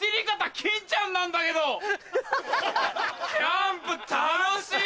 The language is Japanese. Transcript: キャンプ楽しい‼